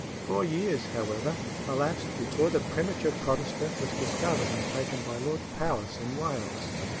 Four years, however, elapsed before the premature Protestant was discovered and taken by Lord Powis in Wales.